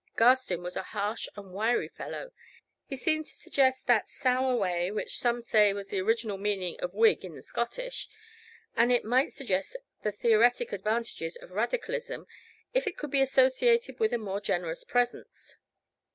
Garstin was a harsh and wiry fellow; he seemed to suggest that sour whey, which some say was the original meaning of Whig in the Scottish, and it might suggest the theoretic advantages of Radicalism if it could be associated with a more generous presence.